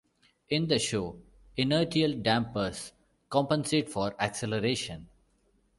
In the show, inertial dampers compensate for acceleration.